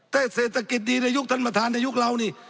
แต่เศรษฐกิจดีในยุคท่านประธานในยุคเรานี่